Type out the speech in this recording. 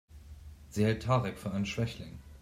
Sie hält Tarek für einen Schwächling.